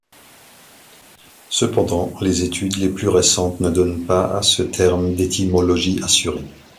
Cependant, les études plus récentes ne donnent pas à ce terme d'étymologie assurée.